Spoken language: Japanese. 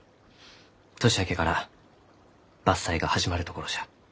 年明けから伐採が始まるところじゃ。